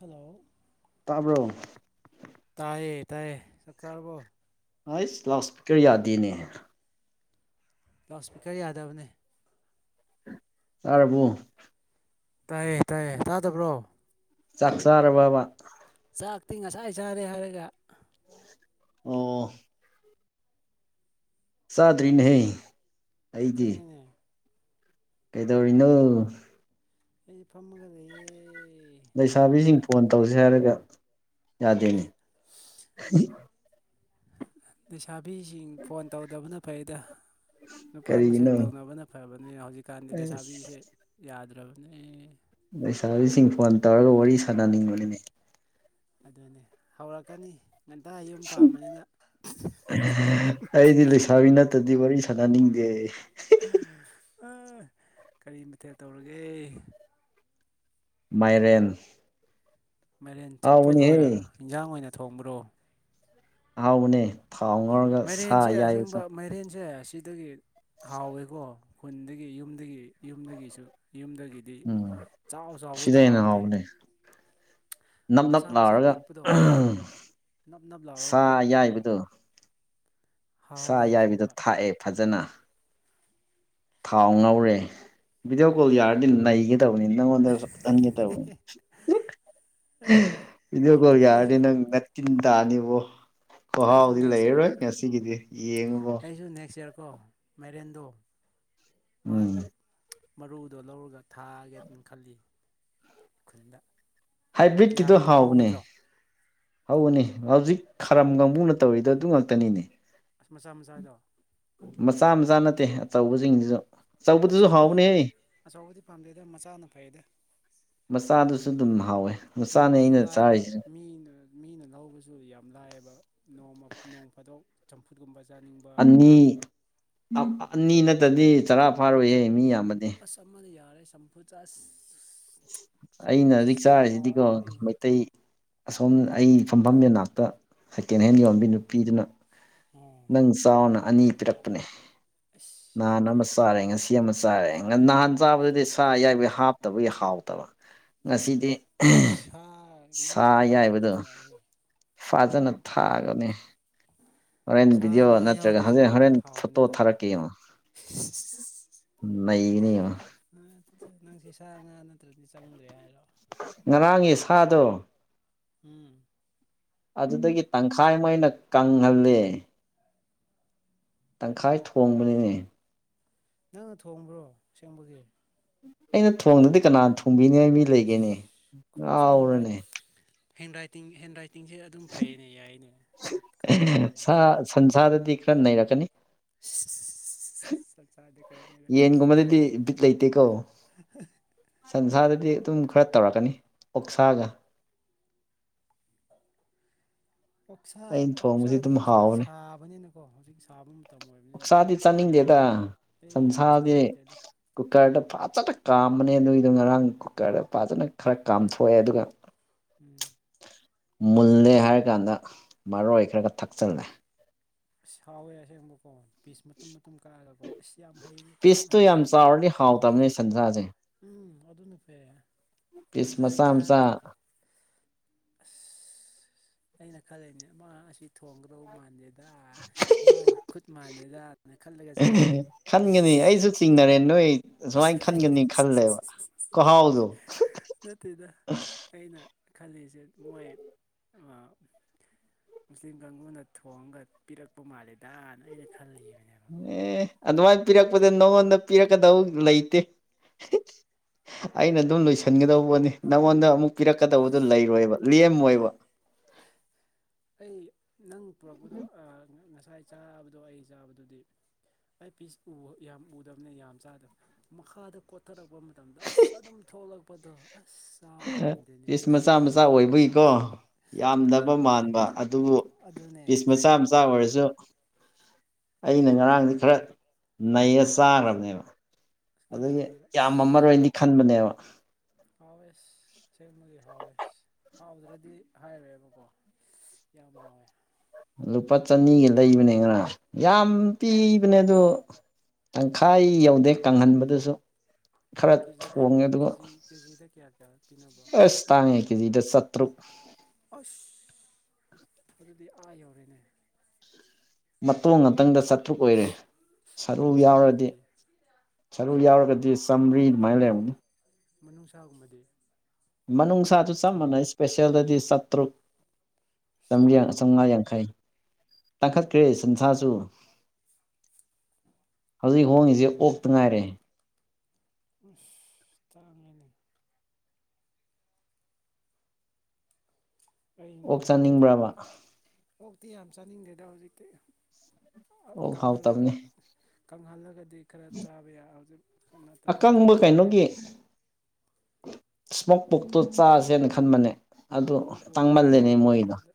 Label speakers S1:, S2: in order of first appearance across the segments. S1: Hello
S2: ꯇꯥꯕ꯭ꯔꯣ
S1: ꯇꯥꯏꯌꯦ ꯇꯥꯏꯌꯦ ꯆꯥꯛ ꯆꯥꯔꯕꯣ
S2: ꯑꯩꯁ ꯂꯥꯎꯠ ꯁꯄꯤꯀꯔ ꯌꯥꯗꯦꯅꯦ
S1: ꯂꯥꯎꯠ ꯁ꯭ꯄꯤꯀꯔ ꯌꯥꯗꯕꯅꯦ
S2: ꯇꯥꯔꯕꯣ
S1: ꯇꯥꯏꯌꯦ ꯇꯥꯏꯌꯦ ꯇꯥꯗꯕ꯭ꯔꯣ
S2: ꯆꯥꯛ ꯆꯥꯔꯕꯕꯥ
S1: ꯆꯥꯛꯇꯤ ꯉꯁꯥꯏ ꯆꯥꯔꯦ ꯍꯥꯏꯔꯒ
S2: ꯑꯣ ꯆꯥꯗ꯭ꯔꯤꯅꯦ
S1: ꯊꯦꯡꯉꯦꯅꯦ
S2: ꯀꯩꯗꯧꯔꯤꯅꯣ
S1: ꯑꯩ ꯗꯤ ꯐꯥꯝꯃꯒ ꯂꯩꯌꯦ ꯏꯌꯥꯝꯕ
S2: ꯂꯩꯁꯥꯕꯤꯁꯤꯡ ꯐꯣꯟ ꯇꯧꯁꯦ ꯍꯥꯏꯔꯒ ꯌꯥꯗꯦꯅꯦ
S1: ꯂꯩꯁꯥꯕꯤꯁꯤꯡ ꯐꯣꯟ ꯇꯧꯗꯕꯅ ꯐꯩꯗ ꯅꯨꯄꯥ
S2: ꯀꯔꯤꯒꯤꯅꯣ
S1: ꯃꯁꯦꯟ ꯇꯧꯅꯕꯅ ꯐꯕꯅꯦ ꯍꯧꯖꯤꯛꯀꯥꯟꯗꯤ
S2: ꯑꯁ
S1: ꯂꯩꯁꯥꯕꯤꯁꯦ ꯌꯥꯗ꯭ꯔꯕꯅꯦ
S2: ꯂꯩꯁꯥꯕꯤꯁꯤꯡ ꯐꯣꯟ ꯇꯧꯔꯒ ꯋꯥꯔꯤ ꯁꯥꯟꯅꯅꯤꯡꯕꯅꯤꯅꯦ
S1: ꯑꯗꯨꯅꯦ ꯍꯧꯔꯛꯀꯅꯤ ꯉꯟꯇꯥ ꯌ ꯌꯨꯝ ꯄꯥꯝꯕꯅꯤꯅ
S2: ꯑꯩꯗꯤ ꯂꯩꯁꯥꯕꯤ ꯅꯠꯇ꯭ꯔꯗꯤ ꯋꯥꯔꯤ ꯁꯥꯟꯅꯅꯤꯡꯗꯦ
S1: ꯀꯔꯤ ꯃꯊꯦꯜ ꯇꯧꯔꯒꯦ
S2: ꯃꯥꯏꯔꯦꯟ
S1: ꯃꯔꯦꯟ ꯆꯝꯐꯨꯠꯂꯣ
S2: ꯍꯥꯎꯕꯅꯦꯍꯦ
S1: ꯏꯟꯖꯥꯡ ꯑꯣꯏꯅ ꯊꯣꯡꯕ꯭ꯔꯣ
S2: ꯑꯍꯥꯎꯕꯅꯦ ꯊꯥꯎ ꯉꯧꯔꯒ ꯁꯥ
S1: ꯃꯥꯏꯔꯦꯟꯁꯦ
S2: ꯑꯌꯥꯏꯕ
S1: ꯑꯁꯦꯡꯕ
S2: ꯆꯪ
S1: ꯃꯥꯏꯔꯦꯟꯁꯦ ꯑꯁꯤꯗꯒꯤ ꯍꯥꯎꯋꯦꯀꯣ ꯈꯨꯟꯗꯒꯤ ꯌꯨꯝꯗꯒꯤ ꯌꯨꯝꯗꯒꯤꯁꯨ ꯌꯨꯝꯗꯒꯤ ꯗꯤ
S2: ꯎꯝ
S1: ꯆꯥꯎ ꯆꯥꯎꯕꯗꯨ
S2: ꯁꯤꯗ ꯍꯦꯟꯅ
S1: ꯍꯥꯎꯇꯦ
S2: ꯍꯥꯎꯕꯅꯦ ꯅꯞ ꯅꯞ
S1: ꯃꯆꯥ ꯃꯆꯥ
S2: ꯂꯥꯎꯔꯒ
S1: ꯄꯤꯛꯄꯗꯣ ꯅꯞ ꯅꯞ
S2: ꯁꯥ
S1: ꯂꯥꯎꯔꯒꯀꯣ ꯍꯥꯎꯋꯦ
S2: ꯁꯥꯌꯥꯏꯕꯗꯣ
S1: ꯑꯁꯦꯡꯕ
S2: ꯊꯥꯛꯑꯦ ꯐꯖꯅ ꯊꯥꯎ ꯉꯧꯔꯦ ꯚꯤꯗꯤꯑꯣ ꯀꯣꯜ ꯌꯥꯔꯗꯤ ꯅꯩꯒꯦ ꯇꯧꯅꯤ ꯅꯪꯉꯣꯟꯗ ꯆꯥꯛꯍꯥꯟꯒꯦ ꯇꯧꯅꯤ ꯕꯤꯗꯤꯑꯣ ꯀꯣꯜ ꯌꯥꯔꯗꯤ
S1: ꯑꯩꯁꯨ
S2: ꯅꯪ ꯅꯇꯤꯟ ꯇꯅꯤꯕꯣ
S1: ꯑꯩꯁꯨ
S2: ꯈꯨꯍꯥꯎꯗꯤ
S1: ꯅꯦꯛꯁ ꯏꯌꯥꯔ
S2: ꯂꯩꯔꯔꯣꯏ ꯉꯁꯤꯒꯤꯗꯤ ꯌꯦꯡꯉꯥꯕꯣ
S1: ꯑꯩꯁꯨ ꯅꯦꯛꯁ ꯏꯌꯥꯔ ꯀꯣ ꯃꯦꯔꯦꯟꯗꯣ
S2: ꯎꯝ
S1: ꯃꯥꯒꯤ ꯃꯔꯨꯗꯣ ꯂꯧꯔꯒ ꯊꯥꯒꯦꯅ ꯈꯜꯂꯤ ꯈꯨꯟꯗ ꯌꯥꯒꯗ꯭ꯔꯣ ꯍꯧꯒꯗ꯭ꯔꯣ
S2: ꯍꯧꯅꯤ ꯍꯧꯖꯤꯛ ꯈꯔꯝ ꯀꯥꯡꯕꯨꯅ ꯇꯧꯔꯤꯗꯣ ꯑꯗꯨ ꯉꯥꯛꯇꯅꯤꯅꯦ
S1: ꯑꯁ ꯃꯆꯥ ꯃꯆꯥꯗꯣ
S2: ꯃꯆꯥ ꯃꯆꯥ ꯅꯠꯇꯦ ꯑꯆꯧꯕꯁꯤꯡꯒꯤꯁꯨ
S1: ꯑꯆꯧꯕꯗꯤ ꯑꯆꯧꯕꯗꯤ ꯄꯥꯝꯗꯦꯗ ꯃꯆꯥꯅ ꯐꯩꯗ
S2: ꯃꯆꯥꯗꯨꯁꯨ ꯑꯗꯨꯝ ꯍꯥꯎꯋꯦ ꯃꯆꯥꯅꯦ
S1: ꯄꯨꯕꯁꯨ
S2: ꯑꯩꯅ
S1: ꯂꯥꯏꯕ
S2: ꯆꯥꯔꯤꯁꯤ
S1: ꯃꯤꯅ ꯃꯤꯅ ꯂꯧꯕꯁꯨ ꯌꯥꯝ ꯂꯥꯏꯑꯕ ꯅꫭꯡꯃꯥ ꯅꯣꯡ ꯐꯥꯗꯣꯛ ꯆꯝꯐꯨꯠ ꯀꯨꯝꯕ ꯆꯥꯅꯤꯡꯕ
S2: ꯑꯅꯤ ꯑꯅꯤ ꯅꯠꯇꯗꯤ ꯆꯔꯥ ꯐꯥꯔꯣꯏꯌꯦ ꯃꯤ ꯌꯥꯝꯕꯅꯦ
S1: ꯑꯃꯅ ꯌꯥꯔꯦ ꯆꯥꯝꯐꯨꯠ ꯑꯁ
S2: ꯑꯩꯅ
S1: ꯆꯝꯐꯨꯠ
S2: ꯍꯧꯖꯤꯛ ꯆꯥꯔꯤꯁꯤꯗꯤꯀꯣ
S1: ꯍꯥꯎꯋꯦꯍꯦ
S2: ꯃꯩꯇꯩ ꯑꯁꯣꯝ ꯑꯩ ꯐꯝꯐꯝ ꯃꯅꯥꯛꯇ ꯁꯦꯀꯦꯟ ꯍꯦꯟ ꯌꯣꯟꯕꯤ ꯅꯨꯄꯤꯗꯨꯅ
S1: ꯑꯣ
S2: ꯅꯪ ꯆꯥꯎꯅ ꯑꯅꯤ ꯄꯤꯔꯛꯄꯅꯦ
S1: ꯑꯁ ꯌꯥꯝ
S2: ꯅꯍꯥꯟ ꯑꯃ
S1: ꯐꯩꯀꯣ
S2: ꯆꯥꯔꯦ ꯉꯁꯤ ꯁꯤ ꯑꯃ ꯆꯥꯔꯦ ꯅꯍꯥꯟ ꯆꯥꯕꯗꯗꯤ ꯁꯥ ꯑꯌꯥꯏꯕꯩ ꯍꯥꯞꯇꯕꯒꯤ ꯍꯥꯎꯇꯕ ꯉꯁꯤꯗꯤ
S1: ꯑꯩ ꯁꯥ ꯉꯥ
S2: ꯁꯥ ꯌꯥꯏꯕꯗꯣ
S1: ꯍꯥꯞꯇ꯭ꯔꯁꯨ ꯌꯥꯏꯍꯦ
S2: ꯐꯖꯅꯥ ꯊꯥꯛꯑꯒꯅꯦ ꯍꯣꯔꯦꯟ
S1: ꯁꯥ
S2: ꯚꯤꯗꯤꯑꯣ
S1: ꯉꯥ
S2: ꯅꯠꯇ꯭ꯔꯒ
S1: ꯌꯥꯎꯗ꯭ꯔꯁꯨ
S2: ꯍꯣꯔꯦꯟ ꯍꯣꯔꯦꯟ ꯐꯣꯇꯣ
S1: ꯍꯥꯎꯕꯅꯤꯗ
S2: ꯊꯥꯔꯛꯀꯦ ꯌꯦꯡꯑꫭ ꯅꯩꯒꯅꯤ ꯌꯦꯡꯑꫭ
S1: ꯅꯪꯁꯦ ꯅꯪꯁꯦ ꯁꯥ ꯉꯥ ꯅꯠꯇ꯭ꯔꯗꯤ ꯆꯪꯗ꯭ꯔꯦ ꯍꯥꯏꯔꯣ
S2: ꯉꯔꯥꯡꯒꯤ ꯁꯥꯗꯣ
S1: ꯎꯝ꯫
S2: ꯑꯗꯨꯗꯒꯤ ꯇꯪꯈꯥꯏꯃꯨꯛ ꯑꯩꯅ ꯀꯪꯍꯜꯂꯦ꯫ ꯇꯪꯈꯥꯏ ꯊꯣꯡꯕꯅꯤꯅꯦ
S1: ꯅꯪꯅ ꯊꯣꯡꯕ꯭ꯔꯣ ꯑꯁꯦꯡꯕꯒꯤ
S2: ꯑꯩꯅ ꯊꯣꯡꯗꯗꯤ ꯀꯅꯥ ꯊꯣꯡꯕꯤꯅꯤꯉꯥꯏ ꯃꯤ
S1: ꯑꯁ
S2: ꯂꯩꯒꯦꯅꯦ
S1: ꯈꯨꯠꯁꯦ ꯍꯦꯟꯗ꯭ꯔꯦ
S2: ꯉꯥꯎꯔꯅꯦ
S1: ꯍꯦꯟ ꯔꯥꯏꯇꯤꯡ ꯍꯦꯟ ꯔꯥꯏꯇꯤꯡꯁꯦ ꯑꯗꯨꯝ ꯐꯩꯅꯦ ꯌꯥꯏꯅꯦ ꯄꯣꯠ ꯀꯥꯕ
S2: ꯁꯥ
S1: ꯃꯥꯜꯂꯦꯅꯦ
S2: ꯁꯟꯁꯥꯗꯗꯤ ꯈꯔ ꯅꯩꯔꯛꯀꯅꯤ
S1: ꯆꯥꯛꯆꯥꯗꯤ ꯈꯔ ꯅꯩꯔꯛꯀꯅꯤ
S2: ꯌꯦꯟꯒꯨꯝꯕꯗꯗꯤ ꯕꯤꯠ ꯂꯩꯇꯦꯀꯣ ꯁꯟꯁꯥꯗꯗꯤ ꯑꯗꯨꯝ ꯈꯔ ꯇꯧꯔꯛꯀꯅꯤ ꯑꯣꯛꯁꯥꯒ
S1: ꯑꫭꯛꯁꯥ
S2: ꯑꯩꯅ ꯊꯣꯡꯕꯁꯤ
S1: ꯑꫭꯛꯁꯥꯗꯤ
S2: ꯑꯗꯨꯝ
S1: ꯍꯧꯖꯤꯛ
S2: ꯍꯥꯎꯕꯅꯦ
S1: ꯁꯥꯕꯅꯤꯅꯀꯣ ꯍꯧꯖꯤꯛ ꯁꯥꯐꯝ
S2: ꯑꯣꯛꯁꯥꯗꯤ ꯆꯥꯅꯤꯡꯗꯦꯗ
S1: ꯑꯩ ꯌꯥꯝ
S2: ꯁꯟꯁꯥꯗꯤ
S1: ꯆꯥꯅꯤꯡꯗꯦꯗ
S2: ꯀꯨꯀꯔꯗ ꯐꯖꯥꯟꯅ ꯀꯝꯕꯅꯦ ꯑꯗꯨꯏꯗꫭ ꯉꯔꯥꯡ ꯀꯨꯀꯔꯗ ꯐꯖꯅꯥ ꯈꯔ ꯀꯥꯝꯊꯣꯛꯑꯦ ꯑꯗꯨꯒ
S1: ꯎꯝ꯫
S2: ꯃꯨꯜꯂꯦ ꯍꯥꯏꯔꯀꯥꯟꯗ ꯃꯔꯣꯏ ꯈꯔ ꯈꯠ ꯊꯛꯆꯜꯂꯦ
S1: ꯑꯁ ꯍꯧꯋꯦ ꯑꯁꯦꯡꯕ ꯀꯣ ꯄꯤꯁ ꯃꯇꯨꯝ ꯃꯇꯨꯝ ꯀꯛꯑꯒꯀꯣ ꯑꯁ ꯌꯥꯝ ꯍꯩ ꯌꯥꯝ
S2: ꯄꯤꯁꯇꯨ
S1: ꯍꯩꯌꯦ
S2: ꯆꯥꯎꯔꯗꯤ ꯍꯥꯎꯇꯕꯅꯦ ꯁꯟꯁꯥꯁꯦ
S1: ꯎꯝ ꯑꯗꯨꯅ ꯐꯩꯌꯦ
S2: ꯄꯤꯁ
S1: ꯉꯁꯥꯏ
S2: ꯃꯆꯥ ꯃꯆꯥ
S1: ꯆꯥꯔꯒ ꯑꯁ ꯑꯩꯅ ꯈꯜꯂꯤꯅꯦ ꯃꯥ ꯑꯁꯤ ꯊꯣꯡꯒꯗꯧ ꯃꯥꯟꯗꯦꯗ ꯃꯥꯒꯤ ꯈꯨꯠ ꯃꯥꯟꯗꯦꯗ ꯅꫭꯏ ꯈꯜꯂꯒ ꯆꯥꯏꯁꯤꯗꯤ
S2: ꯈꯟꯒꯅꯤ
S1: ꯏꯁ
S2: ꯑꯩꯁꯨ ꯆꯤꯡꯅꯔꯦ ꯅꫭꯏ ꯁꯨꯃꯥꯏ ꯈꯟꯒꯅꯤ ꯈꯜꯂꯦꯕ ꯈꯨꯍꯥꯎꯗꯣ
S1: ꯅꯠꯇꯦꯗ ꯑꯩꯅ ꯈꯜꯂꯤꯁꯦ ꯃꯣꯏ ꯑꯥ ꯃꯨꯁꯂꯤꯝ ꯀꯥꯡꯒꯨꯅ ꯊꯣꯡꯉꯒ ꯄꯤꯔꯛꯄ ꯃꯥꯜꯂꯦꯗꯅ ꯑꯩꯅ ꯈꯜꯂꯤꯕꯅꯦꯕ
S2: ꯑꯦ ꯑꯗꯨꯃꯥꯏ ꯄꯤꯔꯛꯄꯗ ꯅꯉꯣꯟꯗ ꯄꯤꯔꯛꯀꯗꯧ ꯂꯩꯇꯦ ꯑꯩꯅ ꯑꯗꯨꯝ ꯂꯣꯏꯁꯤꯟꯒꯗꯧꯕꯅꯤ ꯅꯉꯣꯟꯗ ꯑꯃꯨꯛ ꯄꯤꯔꯛꯀꯗꯕꯗꯨ ꯂꯩꯔꯣꯏꯕ ꯂꯦꯝꯃꯣꯏꯕ
S1: ꯑꯩ ꯅꯪ ꯄꯨꯔꯛꯄꯗꯣ ꯑꯥ ꯉꯁꯥꯏ ꯆꯥꯕꯗꯣ ꯑꯩ ꯆꯥꯕꯗꯨꯗꯤ ꯑꯩ ꯄꯤꯁ ꯎꯍꯥꯎ ꯌꯥꯝ ꯎꯗꯕꯅꯦ ꯌꯥꯝ ꯆꯥꯗꯕ ꯃꯈꯥꯗ ꯀꯣꯊꯔꯛꯄ ꯃꯇꯝꯗ ꯑꯁ ꯑꯗꯨꯝ ꯊꯣꯛꯂꯛꯄꯗꯣ ꯑꯁ ꯆꯥꯕ ꯉꯝꯗꯦꯅꯦ
S2: ꯄꯤꯁ ꯃꯆꯥ ꯃꯆꯥ ꯑꯣꯏꯕꯒꯤꯀꯣ ꯌꯥꯝꯗꯕ
S1: ꯍꯣꯏ
S2: ꯃꯥꯟꯕ ꯑꯗꯨꯕꯨ
S1: ꯑꯗꯨꯅꯦ
S2: ꯄꯤꯁ
S1: ꯑꯁ
S2: ꯃꯆꯥ ꯝ ꯇꯥꯝ ꯑꯣꯏꯔꯁꯨ ꯑꯩꯅ ꯉꯔꯥꯡꯖꯦ ꯈꯔ ꯅꯩꯔꯁ ꯇꯥꯈ꯭ꯔꯅꯦꯕ ꯑꯗꯒꯤ
S1: ꯉꯔꯥꯡꯒꯤ
S2: ꯌꯥꯝꯃꯝꯃꯔꯣꯏꯗꯤ ꯈꯟꯕꯅꯦꯕ
S1: ꯍꯥꯎꯋꯦꯁ ꯑꯁꯦꯡꯕꯒꯤ ꯍꯥꯎꯋꯦꯁ ꯍꯥꯎꯗ꯭ꯔꯗꯤ ꯍꯥꯏꯔꯦꯕꯀꯣ ꯌꯥꯝ ꯍꯥꯎꯋꯦ
S2: ꯂꯨꯄꯥ ꯆꯅꯤꯒꯤ ꯂꯩꯕꯅꯦ ꯉꯔꯥꯡ ꯌꯥꯝ ꯄꯤꯕꯅꯦ ꯑꯗꯣ ꯇꯪꯈꯥꯏ ꯌꯧꯗꯦ ꯀꯪꯍꯟꯕꯗꯨꯁꯨ ꯈꯔ
S1: ꯀꯦꯖꯤꯗ
S2: ꯊꯣꯡꯉꯦ ꯑꯗꯨꯒ
S1: ꯀꯦꯖꯤ ꯀꯦꯖꯤꯗ ꯀꯌꯥ ꯀꯌꯥ ꯄꯤꯅꯕ꯭ꯔꯣ
S2: ꯑꯁ ꯇꯥꯡꯉꯦ ꯀꯦꯖꯤꯗ ꯆꯥꯇ꯭ꯔꯨꯛ
S1: ꯑꯁ ꯑꯗꯨꯗꯤ ꯑꯥ ꯌꯧꯔꯦꯅꯦ
S2: ꯃꯇꯣꯟ ꯉꯥꯛꯇꯪꯗ ꯆꯥꯇ꯭ꯔꯨꯛ ꯑꯣꯏꯔꯦ ꯁꯔꯨ ꯌꯥꯎꯔꯗꯤ
S1: ꯃꯅꯨꯡꯅꯨꯡꯁꯥꯒꯨꯝꯕꯗꯤ
S2: ꯁꯔꯨ ꯌꯥꯎꯔꯒꯗꯤ ꯆꯝꯔꯤ ꯗꯨꯃꯥꯏꯅ ꯂꯩꯔꯝꯅꯤ
S1: ꯃꯅꯨꯡꯁꯥꯒꯨꯝꯕꯗꯤ
S2: ꯃꯅꯨꯡꯅꯨꯡꯁꯥꯁꯨ ꯆꯞ ꯃꯥꯟꯅꯩ ꯏꯁꯄꯦꯁꯦꯜꯗꯗꯤ ꯆꯥꯇ꯭ꯔꯨꯛ
S1: ꯑꯁ
S2: ꯆꯥꯃ꯭ꯔꯤꯌꯥꯡ
S1: ꯇꯥꯡꯉꯦꯀꯣ
S2: ꯆꯥꯝꯉ꯭ꯋꯥ
S1: ꯑꯁ
S2: ꯌꯥꯡꯈꯩ ꯇꯥꯡꯈꯠꯈ꯭ꯔꯦ ꯁꯟꯁꯥꯁꯨ ꯍꯧꯖꯤꯛ ꯍꯣꯡꯉꯤꯁꯦ ꯑꯣꯛꯇ ꯉꯥꯏꯔꯦ
S1: ꯑꯨꯁ ꯇꯥꯡꯉꯦꯅꯦ ꯑꯩꯅ
S2: ꯑꯣꯛ
S1: ꯍꯟꯗꯛ
S2: ꯆꯥꯅꯤꯡꯕ꯭ꯔꯕ
S1: ꯑꯣꯛꯇꯤ ꯌꯥꯝ ꯆꯥꯅꯤꯡꯗꯦꯗ ꯍꯧꯖꯤꯛꯇꯤ
S2: ꯑꯣꯛ
S1: ꯀꯪꯍꯜꯂꯒ
S2: ꯍꯥꯎꯇꯕꯅꯤ
S1: ꯀꯪꯍꯜꯂꯒꯗꯤ ꯈꯔ ꯆꯥꯕ ꯌꯥ ꯍꯧꯖꯤꯛ ꯅꯠꯇꯕꯤ
S2: ꯈꯪꯕ ꯀꯩꯅꯣꯒꯤ ꯏꯁꯃꯣꯛ ꯄꯣꯛꯇꯣ ꯆꯥꯁꯦꯅ ꯈꯟꯕꯅꯦ ꯑꯗꯨ
S1: ꯃꯄꯣꯒꯨꯝꯕꯗ
S2: ꯇꯥꯡꯃꯜꯂꯦꯅꯦ
S1: ꯆꯥꯕ ꯌꯥꯏ
S2: ꯃꯣꯏꯗꯣ
S1: ꯑꯗ ꯑꯁ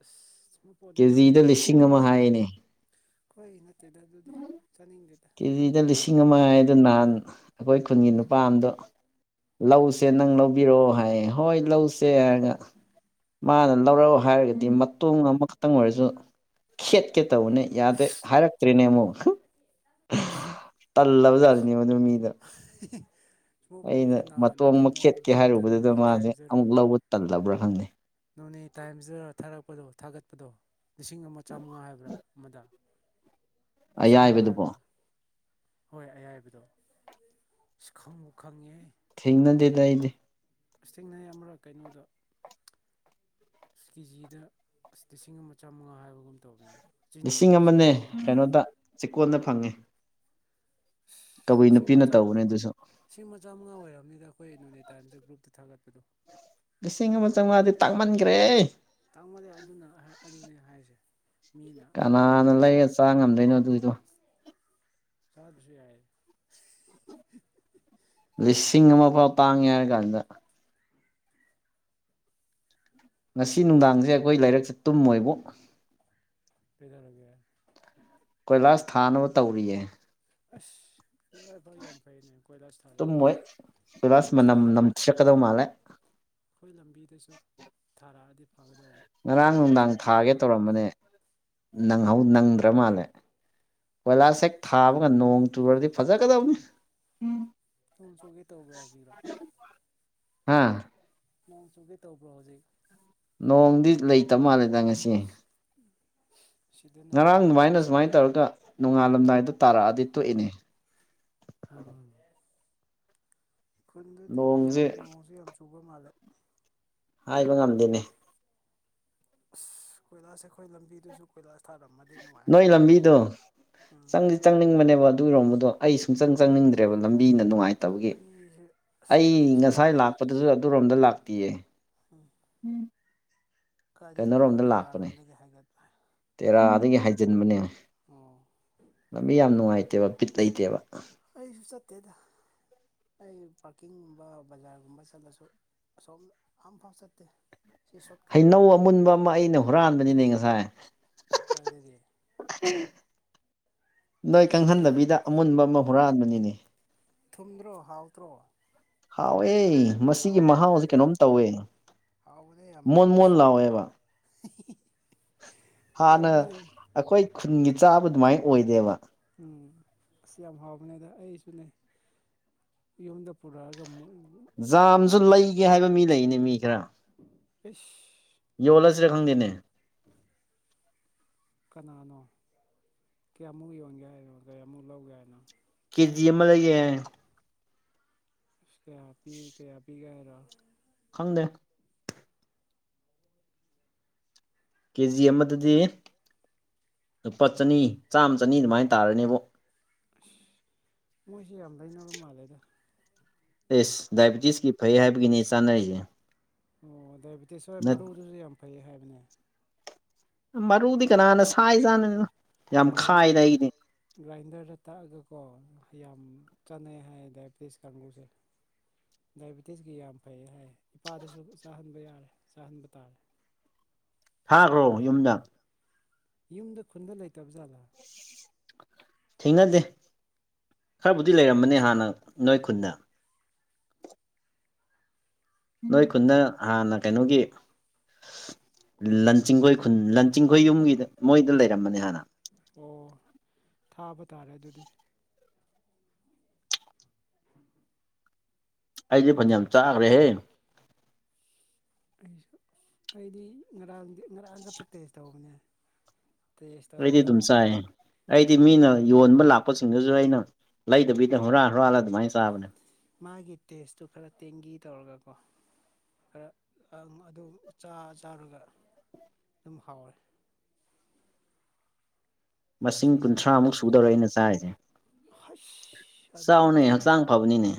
S1: ꯁ꯭ꯃꯨꯠ
S2: ꯀꯦꯖꯤꯗ ꯂꯤꯁꯤꯡ ꯑꯃ ꯍꯥꯏꯅꯦ
S1: ꯈꯣꯏ ꯅꯠꯇꯦꯗ ꯑꯗꯨꯗꯤ ꯆꯥꯅꯤꯡꯗꯦꯗ
S2: ꯗꯥ ꯂꯤꯁꯤꯡ ꯑꯃ ꯍꯥꯏꯗꯣ ꯅꯍꯥꯟ ꯑꯈꯣꯏ ꯈꯨꯟꯒꯤ ꯅꯨꯄꯥ ꯑꯝꯗꯣ ꯂꯧꯁꯦ ꯅꯪ ꯂꯧꯕꯤꯔꯣ ꯍꯥꯏꯌꯦ ꯍꯣꯏ ꯂꯧꯁꯦ ꯍꯥꯏꯔꯒ ꯃꯥꯅ ꯂꯧꯔꯛꯑꯣ ꯍꯥꯏꯔꯒꯗꯤ ꯃꯇꯣꯡ ꯑꯃꯈꯛꯇꯪ ꯑꯣꯏꯔꯁꯨ ꯈꯦꯠꯀꯦ ꯇꯧꯕꯅꯦ ꯌꯥꯗꯦ ꯍꯥꯏꯔꯛꯇ꯭ꯔꯤꯅꯦ ꯑꯃꯨꯛ ꯇꯜꯂꯕ ꯖꯥꯠꯅꯤꯅꯦ ꯃꯗꯨꯅ ꯃꯤꯗꯣ
S1: [unintelligible]
S2: ꯑꯩꯅ
S1: ꯅꯍꯥꯟ
S2: ꯃꯇꯣꯡ ꯑꯃ
S1: ꯀꯩꯅꯣ
S2: ꯈꯦꯠꯀꯦ
S1: ꯒ꯭ꯔꯨꯞꯇ
S2: ꯍꯥꯏꯔꯨꯕꯗꯨꯗ
S1: ꯅꯣꯅꯦ
S2: ꯃꯥꯗꯤ
S1: ꯇꯥꯏꯝꯁꯇꯔ
S2: ꯑꯃꯨꯛ ꯂꯧꯕ ꯇꯜꯂꯕ꯭ꯔꯥ ꯈꯪꯗꯦ
S1: ꯅꯣꯅꯦ ꯇꯥꯏꯝꯖꯔ ꯊꯥꯔꯛꯄꯗꯣ ꯊꯥꯒꯠꯄꯗꯣ ꯂꯤꯁꯤꯡ ꯑꯃꯥ ꯆꯝꯉꯥ ꯍꯥꯏꯕ꯭ꯔꯥ ꯑꯃꯗ ꯂꯤꯁꯤꯡ ꯑꯃꯥ
S2: ꯑꯌꯥꯏꯕꯗꯨꯕꯣ
S1: ꯍꯥꯏꯕ꯭ꯔꯥ ꯍꯣꯏ ꯑꯌꯥꯏꯕꯗꯣ ꯑꯁ ꯈꯪꯕꯨ ꯈꯪꯉꯤꯍꯦ
S2: ꯊꯦꯡꯅꯗꯦꯗ ꯑꯩꯗꯤ
S1: ꯏꯁꯇꯤꯡꯅꯩ ꯑꯃꯔꯛ ꯀꯩꯅꯣꯗ ꯑꯁ ꯀꯦꯖꯤꯗ ꯑꯁ ꯂꯤꯁꯤꯡ ꯑꯃ ꯆꯥꯝꯃꯉꯥ ꯍꯥꯏꯕꯒꯨꯝ ꯇꯧꯋꯤꯅꯦ
S2: ꯂꯤꯁꯤꯡ ꯑꯃꯅꯦ ꯀꯩꯅꯣꯗ ꯆꯤꯀꯣꯟꯗ ꯐꯪꯉꯦ ꯀꯕꯨꯏ
S1: ꯏꯁ ꯂꯤꯁꯤꯡ ꯑꯃ
S2: ꯅꯨꯄꯤꯅ
S1: ꯆꯥꯝꯃ
S2: ꯇꯧꯕꯅꯦ ꯑꯗꯨꯁꯨ
S1: ꯂꯤꯁꯤꯡ ꯑꯃ ꯆꯥꯝꯃꯉꯥ ꯑꯣꯏꯔꯕꯅꯤꯗ ꯑꯩꯈꯣꯏ ꯅꯣꯅꯦ ꯇꯥꯏꯝꯁ ꯒ꯭ꯔꯨꯞꯇ ꯊꯥꯒꯠꯄꯗꯣ
S2: ꯂꯤꯁꯤꯡ ꯑꯃ ꯆꯧꯉꯥꯗꯤ ꯇꯥꯡꯃꯟꯒ꯭ꯔꯦ
S1: ꯇꯥꯡꯃꯜꯂꯦ ꯑꯗꯨꯅ ꯍꯥꯏꯔꯛꯄꯗꯨꯅꯦ ꯍꯥꯏꯔꯤꯖꯦ
S2: ꯀꯅꯥꯅ ꯂꯩꯔ ꯆꯥ ꯉꯝꯗꯣꯏꯅꯣ ꯑꯗꯨꯒꯤꯗꯣ
S1: ꯆꯥꯗ꯭ꯔꯁꯨ ꯌꯥꯏ
S2: ꯂꯤꯁꯤꯡ ꯑꯃ ꯐꯥꯎ ꯇꯥꯡꯉꯦ ꯍꯥꯏꯔ ꯀꯥꯟꯗ ꯉꯁꯤ ꯅꯨꯡꯗꯥꯡꯁꯦ ꯑꯩꯈꯣꯏ ꯂꯥꯏꯔꯤꯛꯁꯦ ꯇꯨꯝꯃꯣꯏꯕꯨ
S1: ꯀꯩꯗꯧꯔꯒꯦ
S2: ꯀꯣꯏꯂꯥꯁ ꯊꯥꯅꯕ ꯇꯧꯔꯤꯌꯦ
S1: ꯑꯁ ꯂꯥꯏ ꯐ ꯌꯥꯝ ꯐꯩꯅꯦ ꯀꯣꯏꯂꯥꯁꯥꯁ ꯊꯥꯗꯗꯤ
S2: ꯇꯨꯝꯃꯣꯏ ꯀꯣꯏꯂꯥꯁ ꯃꯅꯝ
S1: ꯑꯩꯣꯏꯂ
S2: ꯅꯝꯊꯤꯔꯛꯀꯗꯧ [inaudible]
S1: ꯑꯩꯈꯣꯏ ꯂꯝꯕꯤꯗꯁꯨ ꯊꯥꯔꯛꯑꯗꯤ ꯐꯒꯗꯧꯕ
S2: ꯉꯔꯥꯡ
S1: ꯋꯥꯛꯀꯤꯡ
S2: ꯅꯨꯡꯗꯥꯡ
S1: ꯆꯠꯄ
S2: ꯊꯥꯒꯦ
S1: ꯅꯨꯡꯉꯥꯏꯗꯧꯕ
S2: ꯇꯧꯔꯝꯕꯅꯦꯪ ꯅꯪꯗ꯭ꯔ ꯃꯥꯜꯂꯦ ꯀꯣꯏꯂꯥꯁ ꯍꯦꯛ ꯊꯥꯕꯒ ꯅꯣꯡ ꯆꯨꯔꯗꯤ ꯐꯖꯒꯗꯕꯅꯤ
S1: ꯆꯣꯡ ꯆꯣꯡꯒꯦ ꯇꯧꯕ꯭ꯔꯥ ꯍꯧꯖꯤꯛꯔꯣ
S2: ꯍꯥꯥ
S1: ꯅꯪ ꯆꯨꯒ ꯇꯧꯕ꯭ꯔꯣ ꯍꯧꯖꯤꯛ
S2: ꯅꯣꯡꯗꯤ ꯂꯩꯇꯕ ꯃꯥꯜꯂꯦꯗ ꯉꯁꯤ
S1: ꯎꯝ
S2: ꯉꯔꯥꯡ ꯑꯗꯨꯃꯥꯏꯅ ꯁꯨꯃꯥꯏꯅ ꯇꯧꯔꯒ ꯅꯣꯡꯉꯥꯜꯂꯝꯗꯥꯏꯗ ꯇꯥꯔꯛꯑꯗꯤ ꯇꯣꯛꯏꯅꯦ
S1: ꯎꯝ ꯈꯨꯟꯗꯨꯗꯤ
S2: ꯅꯣꯡꯁꯦ
S1: ꯌꯥꯝ ꯅꯣꯡꯁꯨ ꯌꯥꯝ ꯆꯨꯕ ꯃꯥꯜꯂꯦ
S2: ꯍꯥꯏꯕ ꯉꯝꯗꯦꯅꯦ
S1: ꯑꯁ ꯀꯣꯏꯂꯥꯁ ꯑꯩꯈꯣꯏ ꯂꯝꯕꯤꯗꯨꯁꯨ ꯀꯣꯏꯂꯥꯁ ꯊꯥꯔꯝꯃꯗꯤ
S2: ꯅꯣꯏ
S1: ꯅꯨꯡꯉꯥꯏꯒꯗꯧꯕꯅꯦ
S2: ꯂꯝꯕꯤꯗꯣ
S1: ꯎꯝ
S2: ꯆꯪꯗꯤ ꯆꯪꯅꯤꯡꯕꯅꯦꯕ ꯑꯗꯨꯒꯤꯔꯣꯝꯕꯗꯣ ꯑꯩ ꯁꯨꯡꯆꯪ ꯆꯪꯅꯤꯡꯗ꯭ꯔꯦꯕ ꯂꯝꯕꯤꯅ ꯅꯨꯡꯉꯥꯏꯇꯕꯒꯤ
S1: ꯂꯝꯕꯤꯁꯦ
S2: ꯑꯩ
S1: ꯁꯣꯏꯅꯁꯦ
S2: ꯉꯁꯥꯏ ꯂꯥꯛ ꯑꯣꯠꯄꯗꯁꯨ ꯑꯗꯨꯔꯣꯝꯗ ꯂꯥꯛꯇꯌꯦ
S1: ꯎꯝ
S2: ꯎꯝ
S1: ꯀꯥꯢꯗꯩ ꯂꯥꯛꯄ ꯇꯦꯔꯥꯔꯣꯝꯗꯒꯤ ꯍꯥꯏꯒꯠꯄꯜ
S2: ꯇꯦꯔꯥꯗꯒꯤ ꯍꯥꯏꯖꯤꯟꯕꯅꯦ
S1: ꯑꯣ
S2: ꯂꯝꯕꯤ ꯌꯥꯝ ꯅꯨꯡꯉꯥꯏꯇꯦꯕ ꯕꯤꯠ ꯂꯩꯇꯦꯕ
S1: ꯑꯩꯁꯨ ꯆꯠꯇꯦꯗ ꯑꯩ ꯄꯥꯔꯀꯤꯡꯒꯨꯝꯕ ꯕꯖꯥꯔꯒꯨꯝꯕ ꯆꯠꯂꯁꯨ ꯁꯣꯝ ꯑꯝꯐꯥꯎ ꯆꯠꯇꯦ ꯁꯤ ꯁꯣꯔꯠꯀꯠꯇ
S2: ꯍꯩꯅꯧ ꯑꯃꯨꯟꯕ ꯑꯃ ꯑꯩꯅ ꯍꯨꯔꯥꯟꯕꯅꯤꯅꯦ ꯉꯁꯥꯏ
S1: ꯀꯥꯏꯗꯒꯤ
S2: ꯅꯣꯏ
S1: ꯑꯩꯈꯣꯏ
S2: ꯈꯪꯍꯟꯗꯕꯤꯗ ꯑꯃꯨꯟꯕ ꯑꯃ ꯍꯨꯔꯥꯟꯕꯅꯤꯅꯦ
S1: ꯊꯨꯝꯗ꯭ꯔꯣ ꯍꯥꯎꯇ꯭ꯔꯣ
S2: ꯍꯥꯎꯑꯦ ꯃꯁꯤꯒꯤ ꯃꯍꯥꯎꯁꯦ
S1: ꯍꯥꯎꯕꯅꯦ
S2: ꯀꯩꯅꯣꯝ ꯇꯧꯋꯦ ꯃꯣꯟ ꯃꯣꯟ ꯂꯥꯎꯋꯦꯕ
S1: ꯍꯤ ꯍꯤ
S2: ꯍꯥꯟꯅ ꯑꯩꯈꯣꯏ ꯈꯨꯟꯒꯤ ꯆꯥꯕ ꯑꯗꯨꯃꯥꯏꯅ ꯑꯣꯏꯗꯦꯕ
S1: ꯎꯝ ꯑꯁ ꯌꯥꯝ ꯍꯥꯎꯕꯅꯦ ꯗ ꯑꯩꯁꯨ ꯂꯩ ꯌꯨꯝꯗ ꯄꯨꯔꯛꯑꯒ
S2: ꯖꯥꯝꯁꯨ ꯂꯩꯒꯦ ꯍꯥꯏꯕ ꯃꯤ ꯂꯩꯅꯦ ꯃꯤ ꯈꯔ
S1: ꯢꯁ
S2: ꯌꯣꯜꯂꯁꯤꯔ ꯈꯪꯗꯦꯅꯦ
S1: ꯀꯅꯥꯅꯣ ꯀꯌꯥꯃꯨꯛ ꯌꯣꯟꯒꯦ ꯍꯥꯏꯅꯣ ꯀꯌꯥꯃꯨꯛ ꯂꯧꯒꯦ ꯍꯥꯏꯅꯣ
S2: ꯀꯦꯖꯤ ꯑꯃ ꯂꯩꯒꯦ ꯍꯥꯏꯌꯦ
S1: ꯀꯌꯥ ꯄꯤ ꯀꯌꯥ ꯄꯤꯒꯦ ꯍꯥꯏꯔꯣ
S2: ꯈꯪꯗꯦ ꯀꯦꯖꯤ ꯑꯃꯗꯗꯤ ꯂꯨꯄꯥ ꯆꯅꯤ ꯆꯥꯝꯃ ꯆꯅꯤ ꯑꯗꯨꯃꯥꯏꯅ ꯇꯥꯔꯅꯦꯕꯣ
S1: ꯑꯁ ꯃꯣꯏꯁꯦ ꯌꯥꯝ ꯂꯩꯅꯕ ꯃꯥꯜꯂꯦꯗ
S2: ꯏꯁ ꯗꯥꯏꯕ‌ꯦꯇꯤꯁꯀꯤ ꯐꯩ ꯍꯥꯏꯕꯒꯤꯅꯤ ꯆꯥꯅꯔꯤꯁꯦ
S1: ꯑꯣ ꯗꯥꯏꯕꯤꯦꯇꯤꯁ ꯍꯣꯏ ꯃꯔꯨꯗꯨꯁꯨ ꯌꯥꯝ ꯐꯩ ꯍꯥꯏꯕꯅꯦ
S2: ꯃꯔꯨꯗꯤ ꯀꯅꯥꯅ ꯁꯥꯏ ꯆꯥꯅꯔꯤꯅꯣ ꯌꯥꯝ
S1: [unintelligible]
S2: ꯈꯥꯏꯗ ꯑꯩꯒꯤꯗꯤ
S1: ꯒ꯭ꯔꯥꯏꯟꯗꯔꯗ ꯇꯥꯛꯑꯒꯀꯣ ꯌꯥꯝ ꯆꯥꯟꯅꯩ ꯍꯥꯏꯌꯦ ꯗꯥꯏꯕꯦꯇꯤꯁ ꯀꯥꯡꯕꯨꯁꯦ ꯗꯥꯏꯕꯤꯦꯇꯤꯁꯀꯤ ꯌꯥꯝ ꯐꯩ ꯍꯥꯏꯌꯦ ꯏꯄꯥꯗꯁꯨ ꯆꯥꯍꯟꯕ ꯌꯥꯔꯦ ꯆꯥꯍꯟꯕ ꯇꯥꯔꯦ
S2: ꯊꯥꯒ꯭ꯔꯣ ꯌꯨꯝꯗ
S1: ꯌꯨꯝꯗ ꯈꯨꯟꯗ ꯂꯩꯇꯕꯖꯥꯠꯂꯥ
S2: ꯊꯦꯡꯅꯗꯦ ꯈꯔꯕꯨꯗꯤ ꯂꯩꯔꯝꯕꯅꯦ ꯍꯥꯟꯅ ꯅꯣꯏ ꯈꯨꯟꯗ ꯅꯣꯏ ꯈꯨꯟꯗ ꯍꯥꯟꯅ ꯀꯩꯅꯣꯒꯤ ꯂꯟ ꯆꯤꯡꯈꯣꯏ ꯈꯨꯟ ꯂꯟ ꯆꯤꯡꯈꯣꯏ ꯌꯨꯝꯒꯤꯗ ꯃꯣꯏꯗ ꯂꯩꯔꯝꯕꯅꯦ ꯍꯥꯟꯅ
S1: ꯑꯣ ꯊꯥꯕ ꯇꯥꯔꯦ ꯑꯗꯨꯗꯤ ꯎꯝ
S2: ꯑꯩꯁꯨ ꯐꯟꯅꯌꯥꯝ ꯆꯥꯈ꯭ꯔꯦꯍꯦ
S1: ꯑꯩꯁꯨ ꯑꯩꯗꯤ ꯉꯔꯥꯡꯗꯤ ꯉꯔꯥꯡ ꯈꯛꯇ ꯇꯦꯁ ꯇꯧꯕꯅꯦ ꯇꯦꯁ
S2: ꯑꯩꯗꯤ
S1: ꯇꯧꯔꯒ
S2: ꯑꯗꯨꯝ ꯆꯥꯏꯌꯦ ꯑꯩꯗꯤ ꯃꯤꯅ ꯌꯣꯟꯕ ꯂꯥꯛꯄꯁꯤꯡꯗꯨꯁꯨ ꯑꯩꯅ ꯂꯩꯗꯕꯤꯗ ꯍꯨꯔꯥꯟ ꯍꯨꯔꯥꯜꯂ ꯑꯗꯨꯃꯥꯏꯅ ꯆꯥꯕꯅꯦ
S1: ꯃꯥꯒꯤ ꯇꯦꯁꯇꯨ ꯈꯔ ꯇꯦꯡꯒꯤ ꯇꯧꯔꯒꯀꯣ ꯈꯔ ꯑꯗꯨ ꯆꯥ ꯆꯥꯔꯒ ꯑꯗꯨꯝ ꯍꯥꯎꯔꯦ
S2: ꯃꯁꯤꯡ
S1: ꯉꯁꯤ
S2: ꯀꯨꯟꯊ꯭ꯔꯥꯃꯨꯛ ꯁꯨꯗꯧꯔꯦ ꯑꯩꯅ ꯆꯥꯔꯤꯁꯦ
S1: ꯍꯁ
S2: ꯆꯥꯎꯅ ꯍꯛꯆꯥꯡ ꯐꯕꯅꯤꯅꯦ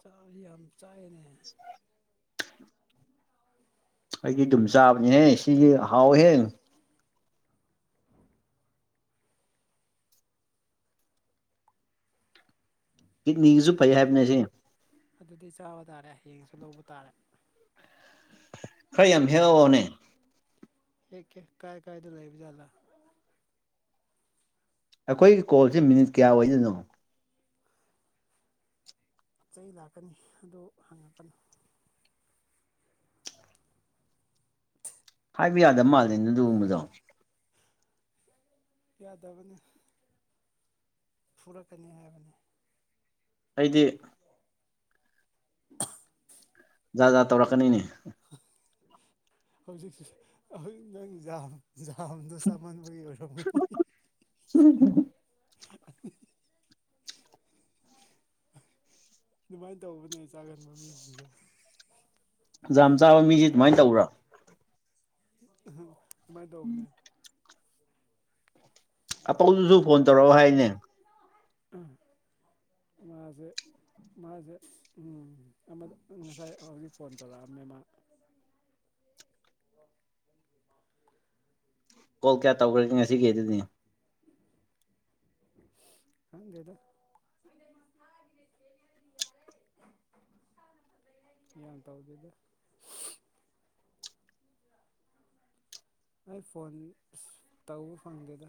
S1: ꯆꯕꯗꯤ ꯌꯥꯝ ꯆꯥꯏꯅꯦ
S2: ꯑꯩꯗꯤ ꯑꯗꯨꯝ ꯆꯥꯕꯅꯦꯍꯦ ꯁꯤꯗꯤ ꯍꯥꯎꯋꯦꯍꯦ ꯀꯤꯠꯅꯤꯒꯤꯁꯨ ꯐꯩ ꯍꯥꯏꯕꯅꯦ ꯁꯤ
S1: ꯑꯗꯨꯗꯤ ꯆꯥꯕ ꯇꯥꯔꯦ ꯍꯌꯦꯡꯁꯨ ꯂꯧꯕ ꯇꯥꯔꯦ
S2: ꯈꯔ ꯌꯥꯝ ꯍꯦꯛꯑꯣꯅꯦ
S1: ꯍꯦꯛꯀꯦ ꯀꯥꯏ ꯀꯥꯏꯗ ꯂꯩꯕꯖꯥꯠꯂꯥ
S2: ꯑꯩꯈꯣꯏꯒꯤ ꯀꯣꯜꯁꯦ ꯃꯤꯅꯤꯠ ꯀꯌꯥ ꯑꯣꯏꯗꯣꯏꯅꯣ
S1: ꯆꯩ ꯂꯥꯛꯀꯅꯤ ꯑꯗꯨ ꯍꯪꯉꯛꯀꯅꯨ
S2: ꯍꯥꯏꯕ ꯌꯥꯗꯕ ꯃꯥꯜꯂꯦꯅ‌ꯦ ꯗꯨꯒꯨꯝꯕꯗꯣ
S1: ꯌꯥꯗꯕꯅꯤ ꯐꯨꯔꯛꯀꯅꯤ ꯍꯥꯏꯕꯅꯤ
S2: ꯑꯩꯗꯤ
S1: [unintelligible]
S2: ꯖꯥꯠ ꯖꯥꯠ ꯇꯧꯔꯛꯀꯅꯤꯅꯦ
S1: ꯍꯧꯖꯤꯛꯁꯨ ꯍꯧꯖꯤꯛ ꯅꯪ ꯌꯥꯝ ꯖꯥꯝꯗ‌ꯣ ꯆꯥꯃꯟꯕꯨꯒꯤ ꯑꯣꯏꯔꯒꯗꯤ
S2: [unintelligible]
S1: ꯑꯗꯨꯃꯥꯏꯅ ꯇꯧꯕꯅꯦ ꯆꯥꯒꯟꯕ ꯃꯤꯁꯤꯡꯁꯦ
S2: ꯖꯥꯝ ꯆꯉꯕ ꯃꯤꯁꯤ ꯑꯗꯨꯃꯥꯏꯅ ꯇꯧꯕ꯭ꯔꯥ
S1: ꯑꯗꯨꯃꯥꯏꯅ ꯇꯧꯕꯅꯦ
S2: ꯑꯄꯧꯗꯨꯁꯨ ꯐꯣꯟ ꯇꯧꯔꯛꯑꯣ ꯍꯥꯏꯅꯦ
S1: ꯃꯥꯁꯦ ꯃꯥꯁꯦ ꯎꯝ ꯉꯁꯥꯏ ꯍꯧꯖꯤꯛ ꯐꯣꯟ ꯇꯧꯔꯛꯑꯝꯃꯦ ꯃꯥ
S2: ꯀꯣꯜ ꯀꯌꯥ ꯇꯧꯈ꯭ꯔꯒꯦ ꯉꯁꯤꯒꯤ ꯑꯗꯨꯅꯤ
S1: ꯊꯪꯗꯦꯗ ꯌꯥꯝ ꯇꯧꯗꯦꯗ ꯑꯩ ꯐꯣꯟ ꯑꯁ ꯇꯧꯕ ꯐꯪꯒꯦꯗ